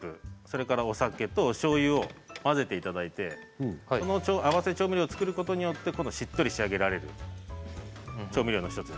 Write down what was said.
それからお酒としょうゆを混ぜていただいてこの合わせ調味料を作ることによってしっとり仕上げられる調味料の一つ。